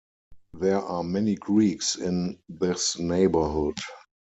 There are many Greeks in this neighbourhood.